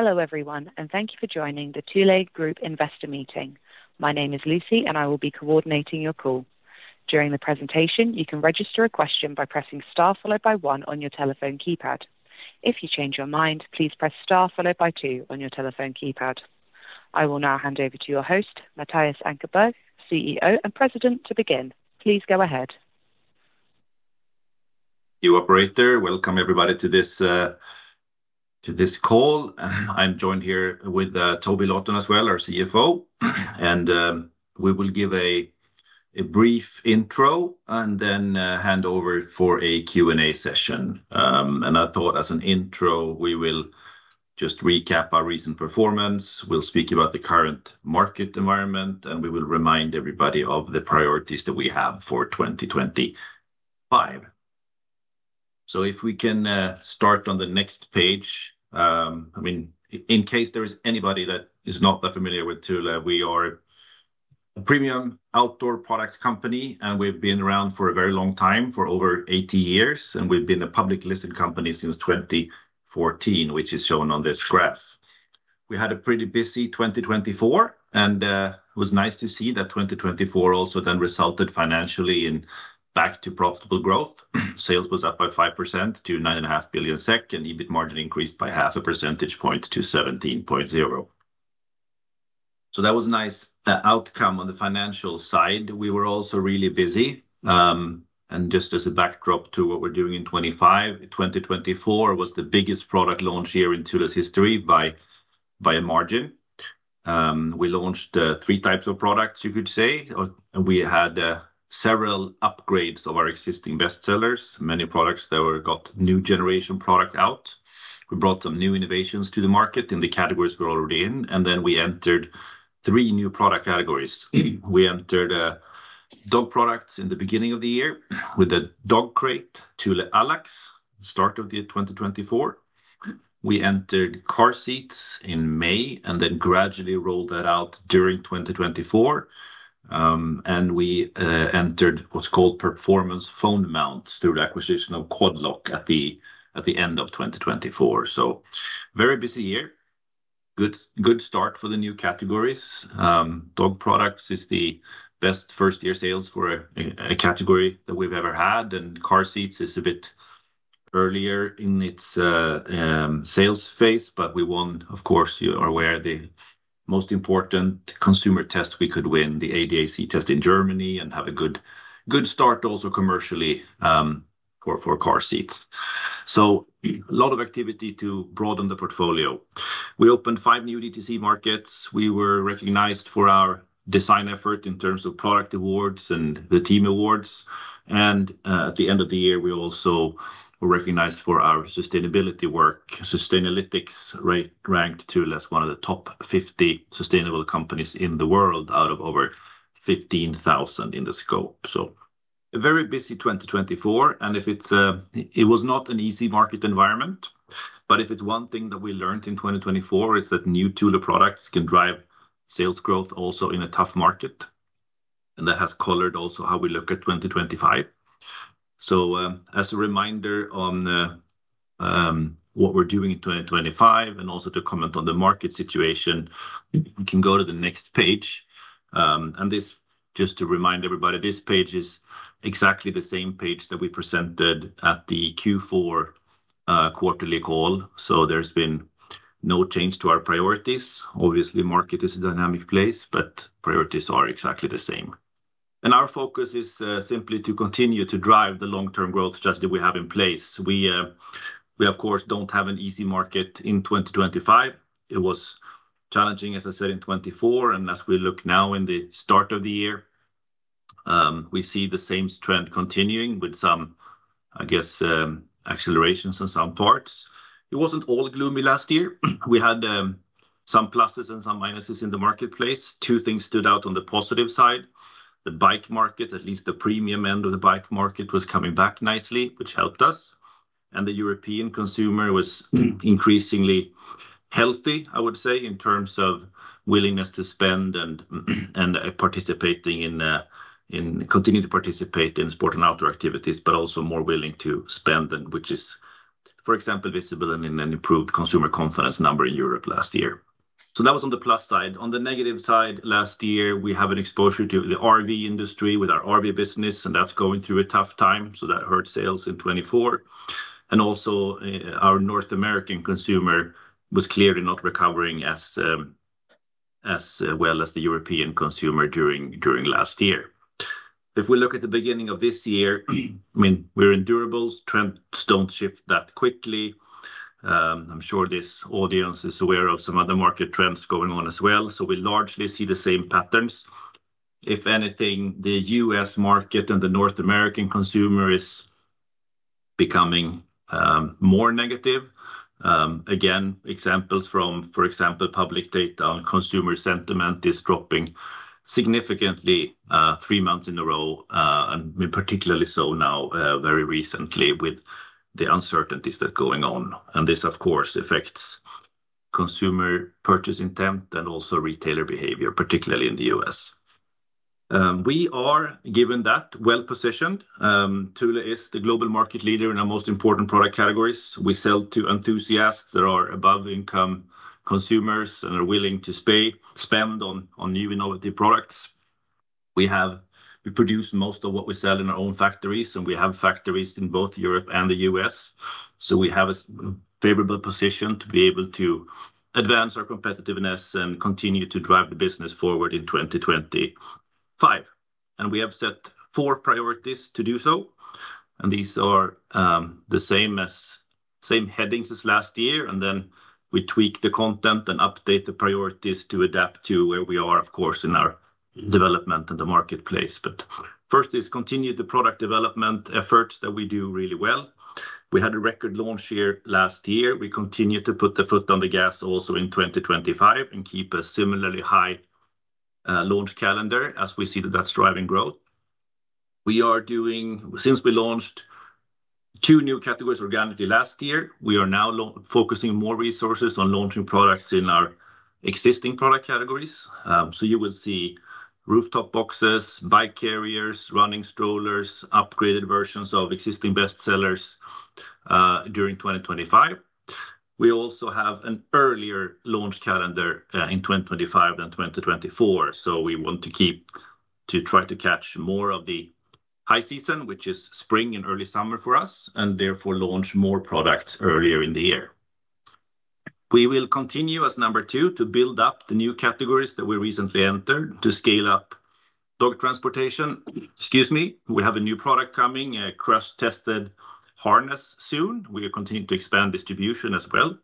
Hello everyone, and thank you for joining the Thule Group Investor Meeting. My name is Lucy, and I will be coordinating your call. During the presentation, you can register a question by pressing star followed by one on your telephone keypad. If you change your mind, please press star followed by two on your telephone keypad. I will now hand over to your host, Mattias Ankarberg, CEO and President, to begin. Please go ahead. Thank you, Operator. Welcome everybody to this call. I'm joined here with Toby Lawton as well, our CFO, and we will give a brief intro and then hand over for a Q&A session. I thought as an intro, we will just recap our recent performance. We'll speak about the current market environment, and we will remind everybody of the priorities that we have for 2025. If we can start on the next page, I mean, in case there is anybody that is not that familiar with Thule, we are a premium outdoor product company, and we've been around for a very long time, for over 80 years, and we've been a public listed company since 2014, which is shown on this graph. We had a pretty busy 2024, and it was nice to see that 2024 also then resulted financially in back to profitable growth. Sales was up by 5% to 9.5 billion SEK, and EBIT margin increased by half a percentage point to 17.0%. That was a nice outcome on the financial side. We were also really busy, and just as a backdrop to what we're doing in 2025, 2024 was the biggest product launch year in Thule's history by a margin. We launched three types of products, you could say, and we had several upgrades of our existing bestsellers, many products that got new generation product out. We brought some new innovations to the market in the categories we're already in, and then we entered three new product categories. We entered dog products in the beginning of the year with the dog crate, Thule Allax, start of the year 2024. We entered car seats in May and then gradually rolled that out during 2024, and we entered what's called performance phone mounts through the acquisition of Quad Lock at the end of 2024. Very busy year, good start for the new categories. Dog products is the best first year sales for a category that we've ever had, and car seats is a bit earlier in its sales phase, but we won, of course, you are aware the most important consumer test we could win, the ADAC test in Germany, and have a good start also commercially for car seats. A lot of activity to broaden the portfolio. We opened five new DTC markets. We were recognized for our design effort in terms of product awards and the team awards, and at the end of the year, we also were recognized for our sustainability work. Sustainalytics ranked Thule as one of the top 50 sustainable companies in the world out of over 15,000 in the scope. A very busy 2024, and it was not an easy market environment, but if it's one thing that we learned in 2024, it's that new Thule products can drive sales growth also in a tough market, and that has colored also how we look at 2025. As a reminder on what we're doing in 2025 and also to comment on the market situation, you can go to the next page. This is just to remind everybody, this page is exactly the same page that we presented at the Q4 quarterly call. There has been no change to our priorities. Obviously, the market is a dynamic place, but priorities are exactly the same. Our focus is simply to continue to drive the long-term growth strategy we have in place. We, of course, do not have an easy market in 2025. It was challenging, as I said, in 2024, and as we look now in the start of the year, we see the same trend continuing with some, I guess, accelerations on some parts. It was not all gloomy last year. We had some pluses and some minuses in the marketplace. Two things stood out on the positive side. The bike market, at least the premium end of the bike market, was coming back nicely, which helped us. The European consumer was increasingly healthy, I would say, in terms of willingness to spend and participating in, continuing to participate in sport and outdoor activities, but also more willing to spend, which is, for example, visible in an improved consumer confidence number in Europe last year. That was on the plus side. On the negative side, last year, we have an exposure to the RV industry with our RV business, and that's going through a tough time. That hurt sales in 2024. Also, our North American consumer was clearly not recovering as well as the European consumer during last year. If we look at the beginning of this year, I mean, we're in durables. Trends do not shift that quickly. I'm sure this audience is aware of some other market trends going on as well. We largely see the same patterns. If anything, the U.S. market and the North American consumer is becoming more negative. Again, examples from, for example, public data on consumer sentiment is dropping significantly three months in a row, and particularly so now very recently with the uncertainties that are going on. This, of course, affects consumer purchase intent and also retailer behavior, particularly in the U.S. We are, given that, well positioned. Thule is the global market leader in our most important product categories. We sell to enthusiasts that are above-income consumers and are willing to spend on new innovative products. We produce most of what we sell in our own factories, and we have factories in both Europe and the U.S. We have a favorable position to be able to advance our competitiveness and continue to drive the business forward in 2025. We have set four priorities to do so, and these are the same headings as last year, and then we tweak the content and update the priorities to adapt to where we are, of course, in our development and the marketplace. The first is continue the product development efforts that we do really well. We had a record launch year last year. We continue to put the foot on the gas also in 2025 and keep a similarly high launch calendar as we see that that is driving growth. We are doing, since we launched two new categories organically last year, we are now focusing more resources on launching products in our existing product categories. You will see rooftop boxes, bike carriers, running strollers, upgraded versions of existing bestsellers during 2025. We also have an earlier launch calendar in 2025 than 2024. We want to keep to try to catch more of the high season, which is spring and early summer for us, and therefore launch more products earlier in the year. We will continue as number two to build up the new categories that we recently entered to scale up dog transportation. Excuse me, we have a new product coming, a crash-tested harness soon. We continue to expand distribution as well.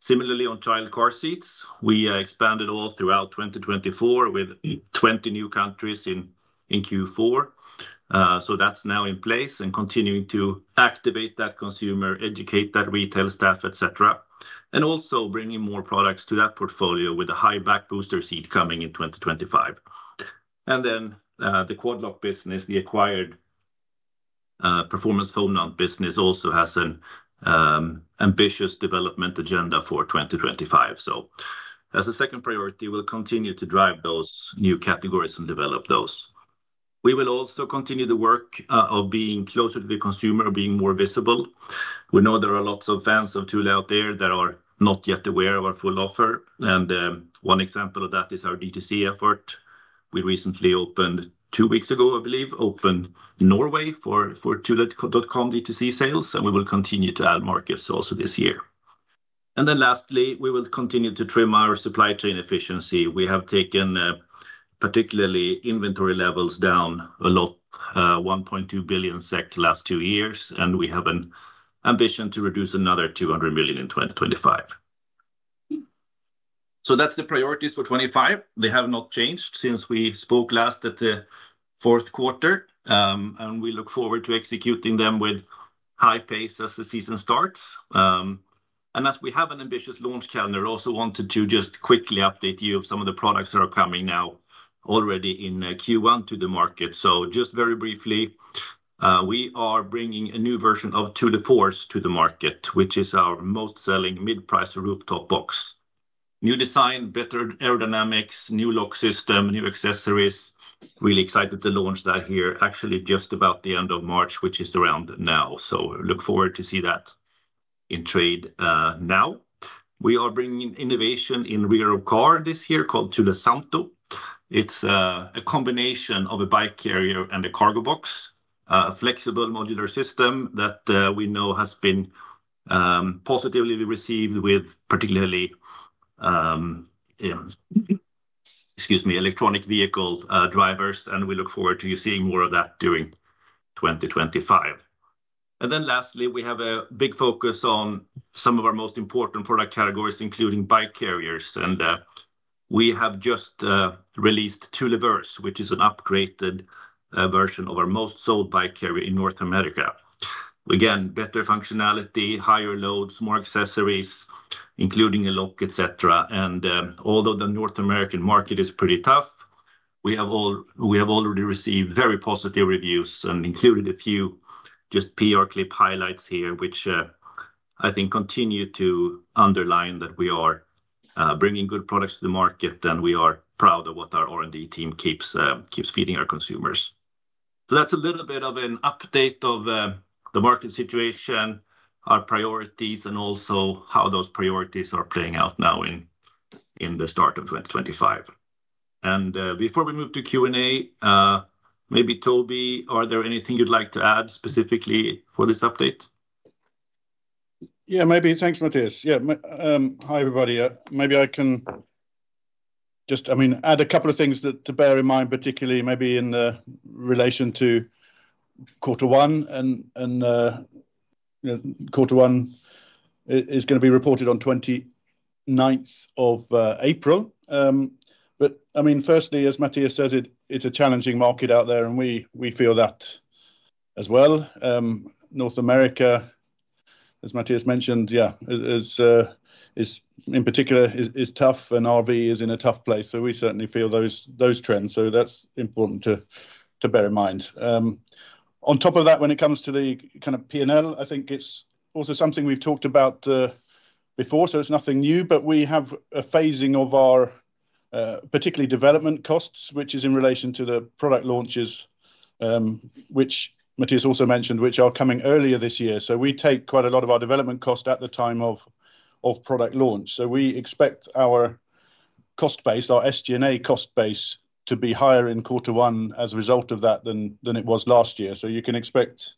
Similarly, on child car seats, we expanded all throughout 2024 with 20 new countries in Q4. That is now in place and continuing to activate that consumer, educate that retail staff, etc., and also bringing more products to that portfolio with a high back booster seat coming in 2025. The Quad Lock business, the acquired performance phone mount business, also has an ambitious development agenda for 2025. As a second priority, we'll continue to drive those new categories and develop those. We will also continue the work of being closer to the consumer, being more visible. We know there are lots of fans of Thule out there that are not yet aware of our full offer, and one example of that is our DTC effort. We recently opened, two weeks ago I believe, Norway for thule.com DTC sales, and we will continue to add markets also this year. Lastly, we will continue to trim our supply chain efficiency. We have taken particularly inventory levels down a lot, 1.2 billion SEK last two years, and we have an ambition to reduce another 200 million in 2025. That's the priorities for 2025. They have not changed since we spoke last at the fourth quarter, and we look forward to executing them with high pace as the season starts. As we have an ambitious launch calendar, I also wanted to just quickly update you of some of the products that are coming now already in Q1 to the market. Just very briefly, we are bringing a new version of Thule Force to the market, which is our most selling mid-price rooftop box. New design, better aerodynamics, new lock system, new accessories. Really excited to launch that here, actually just about the end of March, which is around now. Look forward to see that in trade now. We are bringing innovation in rear of car this year called Thule Santo. It's a combination of a bike carrier and a cargo box, a flexible modular system that we know has been positively received with particularly, excuse me, electric vehicle drivers, and we look forward to seeing more of that during 2025. Lastly, we have a big focus on some of our most important product categories, including bike carriers, and we have just released Thule Verte, which is an upgraded version of our most sold bike carrier in North America. Again, better functionality, higher loads, more accessories, including a lock, etc. Although the North American market is pretty tough, we have already received very positive reviews and included a few just PR clip highlights here, which I think continue to underline that we are bringing good products to the market, and we are proud of what our R&D team keeps feeding our consumers. That is a little bit of an update of the market situation, our priorities, and also how those priorities are playing out now in the start of 2025. Before we move to Q&A, maybe Toby, is there anything you'd like to add specifically for this update? Yeah, maybe. Thanks, Mattias. Yeah, hi everybody. Maybe I can just, I mean, add a couple of things to bear in mind, particularly maybe in relation to quarter one, and quarter one is going to be reported on 29th of April. Firstly, as Mattias says, it's a challenging market out there, and we feel that as well. North America, as Mattias mentioned, in particular, is tough, and RV is in a tough place. We certainly feel those trends. That is important to bear in mind. On top of that, when it comes to the kind of P&L, I think it's also something we've talked about before, so it's nothing new, but we have a phasing of our particularly development costs, which is in relation to the product launches, which Mattias also mentioned, which are coming earlier this year. We take quite a lot of our development cost at the time of product launch. We expect our cost base, our SG&A cost base to be higher in quarter one as a result of that than it was last year. You can expect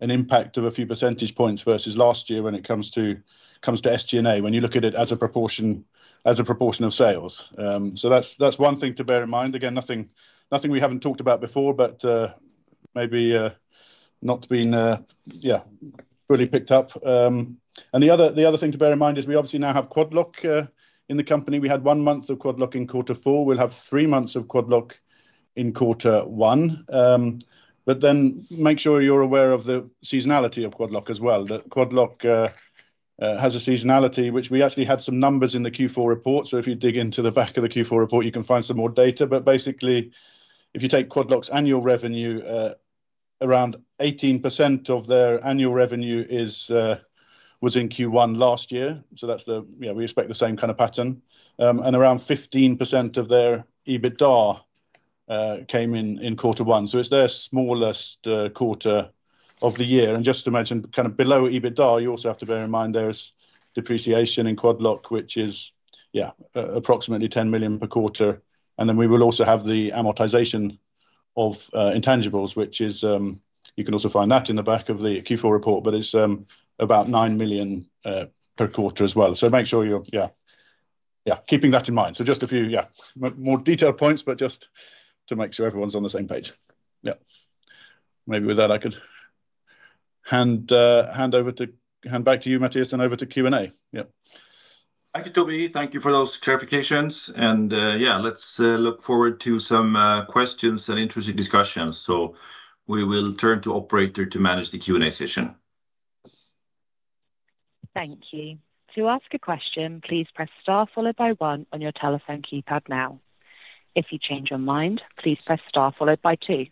an impact of a few percentage points versus last year when it comes to SG&A, when you look at it as a proportion of sales. That's one thing to bear in mind. Again, nothing we haven't talked about before, but maybe not been, yeah, fully picked up. The other thing to bear in mind is we obviously now have Quad Lock in the company. We had one month of Quad Lock in quarter four. We will have three months of Quad Lock in quarter one. Make sure you are aware of the seasonality of Quad Lock as well. Quad Lock has a seasonality, which we actually had some numbers in the Q4 report. If you dig into the back of the Q4 report, you can find some more data. Basically, if you take Quad Lock's annual revenue, around 18% of their annual revenue was in Q1 last year. That is the, yeah, we expect the same kind of pattern. Around 15% of their EBITDA came in quarter one. It is their smallest quarter of the year. Just to mention, kind of below EBITDA, you also have to bear in mind there's depreciation in Quad Lock, which is approximately 10 million per quarter. We will also have the amortization of intangibles, which you can also find in the back of the Q4 report, but it's about 9 million per quarter as well. Make sure you're keeping that in mind. Just a few more detailed points, but just to make sure everyone's on the same page. Maybe with that, I could hand back to you, Mattias, and over to Q&A. Thank you, Toby. Thank you for those clarifications. Let's look forward to some questions and interesting discussions. We will turn to operator to manage the Q&A session. Thank you. To ask a question, please press star followed by one on your telephone keypad now. If you change your mind, please press star followed by two.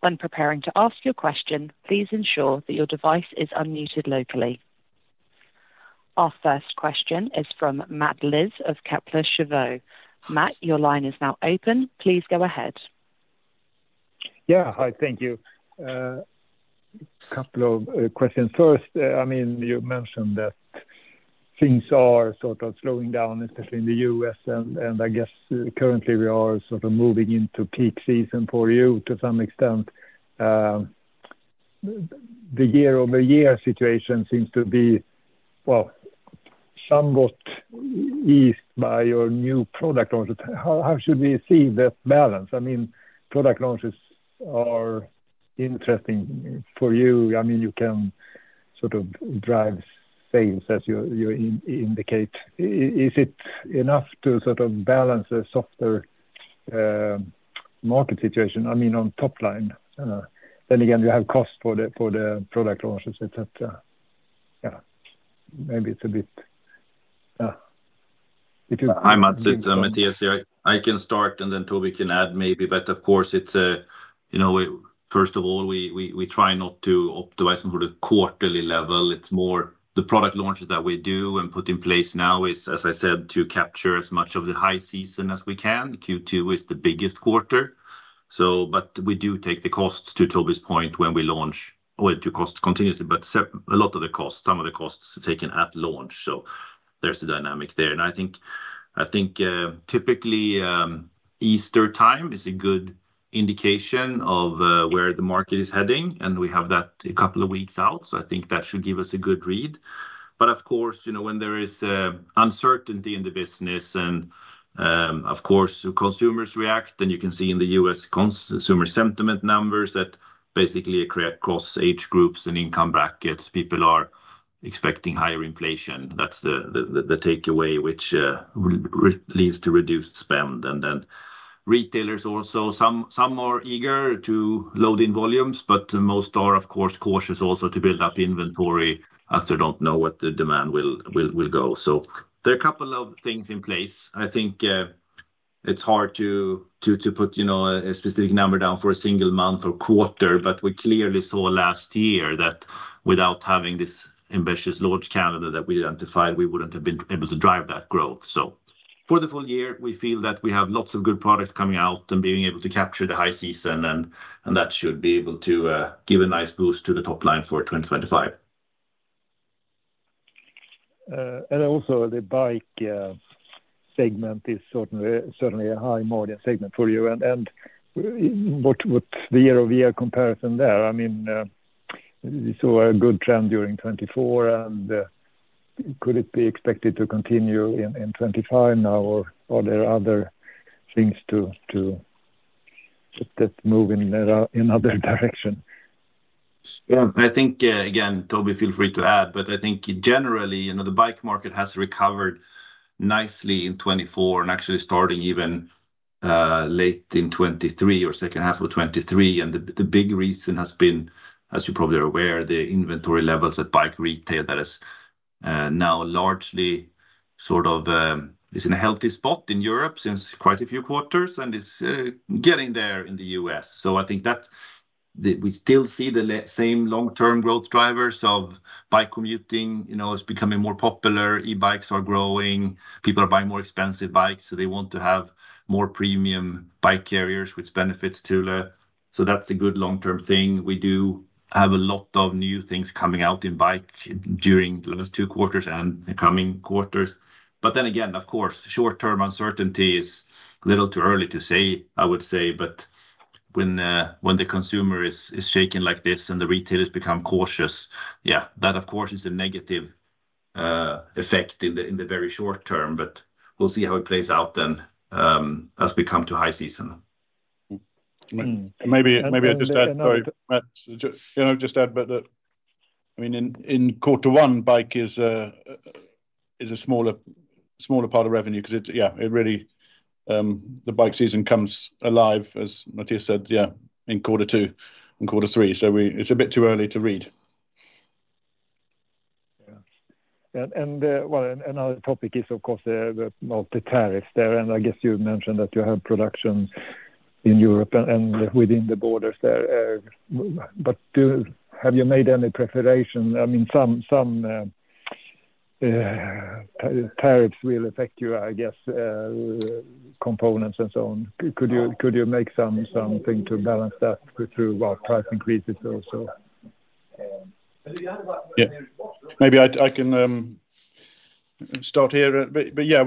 When preparing to ask your question, please ensure that your device is unmuted locally. Our first question is from Mats Liss of Kepler Cheuvreux. Mats, your line is now open. Please go ahead. Yeah. Hi, thank you. A couple of questions. First, I mean, you mentioned that things are sort of slowing down, especially in the U.S. And I guess currently we are sort of moving into peak season for you to some extent. The year-over-year situation seems to be, well, somewhat eased by your new product launches. How should we see that balance? I mean, product launches are interesting for you. I mean, you can sort of drive sales as you indicate. Is it enough to sort of balance a softer market situation? I mean, on top line, then again, you have cost for the product launches, etc. Yeah. Maybe it's a bit, yeah. Hi, Mattias. I can start, and then Toby can add maybe. Of course, first of all, we try not to optimize for the quarterly level. It's more the product launches that we do and put in place now is, as I said, to capture as much of the high season as we can. Q2 is the biggest quarter. We do take the costs to Toby's point when we launch, to cost continuously, but a lot of the costs, some of the costs are taken at launch. There's a dynamic there. I think typically Easter time is a good indication of where the market is heading, and we have that a couple of weeks out. I think that should give us a good read. Of course, when there is uncertainty in the business, and consumers react, you can see in the U.S. consumer sentiment numbers that basically across age groups and income brackets, people are expecting higher inflation. That's the takeaway, which leads to reduced spend. Retailers also, some are eager to load in volumes, but most are cautious also to build up inventory as they do not know where the demand will go. There are a couple of things in place. I think it's hard to put a specific number down for a single month or quarter, but we clearly saw last year that without having this ambitious launch calendar that we identified, we would not have been able to drive that growth. For the full year, we feel that we have lots of good products coming out and being able to capture the high season, and that should be able to give a nice boost to the top line for 2025. Also, the bike segment is certainly a high-margin segment for you. What's the year-over-year comparison there? I mean, we saw a good trend during 2024, and could it be expected to continue in 2025 now, or are there other things that move in another direction? Yeah, I think, again, Toby, feel free to add, but I think generally the bike market has recovered nicely in 2024 and actually starting even late in 2023 or second half of 2023. The big reason has been, as you probably are aware, the inventory levels at bike retail that is now largely sort of is in a healthy spot in Europe since quite a few quarters and is getting there in the US. I think that we still see the same long-term growth drivers of bike commuting is becoming more popular. E-bikes are growing. People are buying more expensive bikes, so they want to have more premium bike carriers, which benefits Thule. That is a good long-term thing. We do have a lot of new things coming out in bike during the last two quarters and the coming quarters. But then again, of course, short-term uncertainty is a little too early to say, I would say, but when the consumer is shaken like this and the retailers become cautious, yeah, that of course is a negative effect in the very short term. We'll see how it plays out then as we come to high season. Maybe I just add, sorry, Matt, just add, but I mean, in quarter one, bike is a smaller part of revenue because, yeah, it really, the bike season comes alive, as Mattias said, yeah, in quarter two and quarter three. It is a bit too early to read. Another topic is, of course, the tariffs there. I guess you mentioned that you have production in Europe and within the borders there. Have you made any preparation? I mean, some tariffs will affect you, I guess, components and so on. Could you make something to balance that through price increases also? Maybe I can start here. Yeah,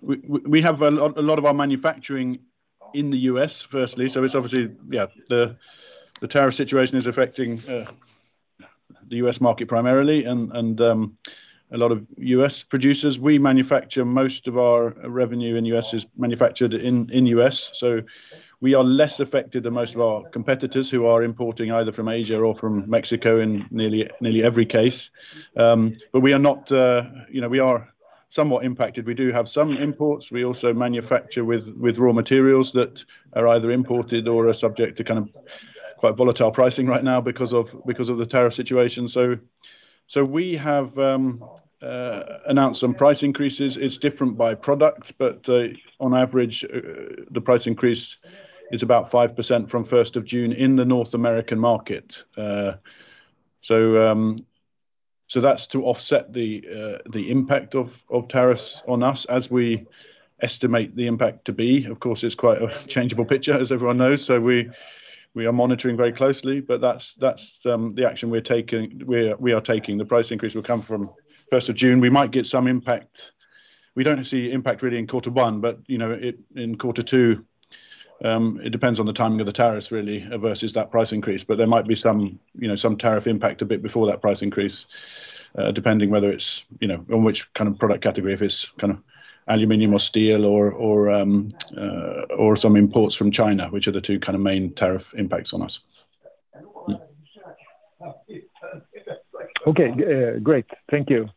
we have a lot of our manufacturing in the U.S., firstly. It is obviously, yeah, the tariff situation is affecting the U.S. market primarily. A lot of U.S. producers, we manufacture most of our revenue in the U.S. is manufactured in the U.S. We are less affected than most of our competitors who are importing either from Asia or from Mexico in nearly every case. We are not, we are somewhat impacted. We do have some imports. We also manufacture with raw materials that are either imported or are subject to kind of quite volatile pricing right now because of the tariff situation. We have announced some price increases. It's different by product, but on average, the price increase is about 5% from 1st of June in the North American market. That's to offset the impact of tariffs on us as we estimate the impact to be. Of course, it's quite a changeable picture, as everyone knows. We are monitoring very closely, but that's the action we are taking. The price increase will come from 1st of June. We might get some impact. We don't see impact really in quarter one, but in quarter two, it depends on the timing of the tariffs really versus that price increase. There might be some tariff impact a bit before that price increase, depending whether it's on which kind of product category, if it's kind of aluminum or steel or some imports from China, which are the two kind of main tariff impacts on us. Okay. Great. Thank you.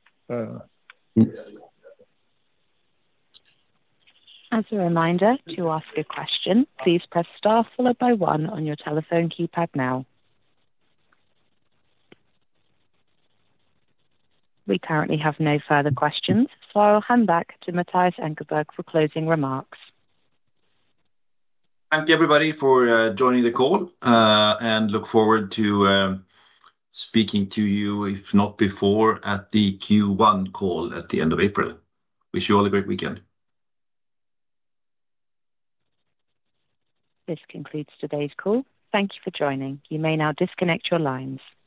As a reminder, to ask a question, please press star followed by one on your telephone keypad now. We currently have no further questions, so I'll hand back to Mattias Ankarberg for closing remarks. Thank you, everybody, for joining the call, and look forward to speaking to you, if not before, at the Q1 call at the end of April. Wish you all a great weekend. This concludes today's call. Thank you for joining. You may now disconnect your lines.